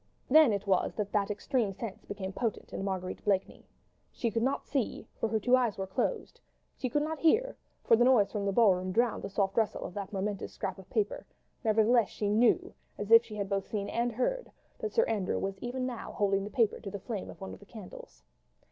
Then it was that that extra sense became potent in Marguerite Blakeney. She could not see, for her eyes were closed; she could not hear, for the noise from the ball room drowned the soft rustle of that momentous scrap of paper; nevertheless she knew—as if she had both seen and heard—that Sir Andrew was even now holding the paper to the flame of one of the candles.